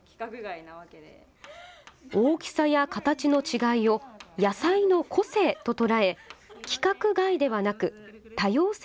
大きさや形の違いを野菜の個性と捉え、規格外ではなく多様性